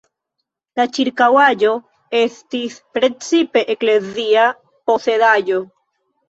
La ĉirkaŭaĵo estis precipe eklezia posedaĵo.